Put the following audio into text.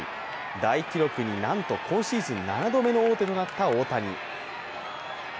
大記録に、なんと今シーズン７度目の王手となった、大谷。